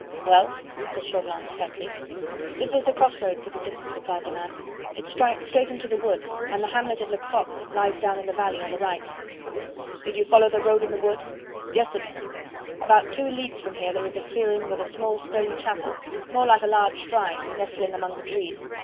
"Well?" said Chauvelin curtly. "This is the cross road, citizen," replied the man; "it strikes straight into the wood, and the hamlet of Le Crocq lies down in the valley on the right." "Did you follow the road in the wood?" "Yes, citizen. About two leagues from here there is a clearing with a small stone chapel, more like a large shrine, nestling among the trees.